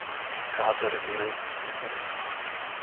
Garde-Regiments zu Fuß.